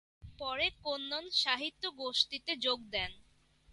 পরে "কল্লোল সাহিত্য গোষ্ঠী" তে যোগ দেন।